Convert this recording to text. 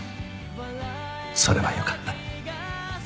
それはよかった。